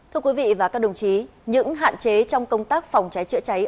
thưa quý vị và các đồng chí những hạn chế trong công tác phòng cháy chữa cháy